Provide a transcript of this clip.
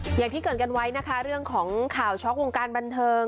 อย่างที่เกิดกันไว้นะคะเรื่องของข่าวช็อกวงการบันเทิง